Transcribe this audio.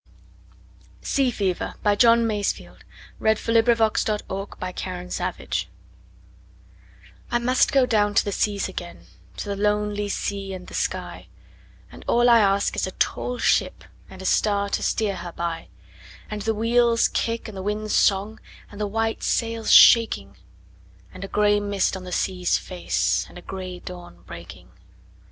Poets: A B . C D . E F . G H . I J . K L . M N . O P . Q R . S T . U V . W X . Y Z Sea Fever I MUST down to the seas again, to the lonely sea and the sky, And all I ask is a tall ship and a star to steer her by, And the wheel's kick and the wind's song and the white sail's shaking, And a gray mist on the sea's face, and a gray dawn breaking.